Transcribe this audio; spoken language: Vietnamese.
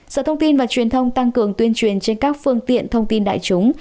sở thông tin và truyền thông tăng cường tuyên truyền trên các phương tiện thông tin đại chúng